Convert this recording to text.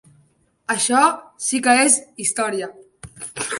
Això sí que és història!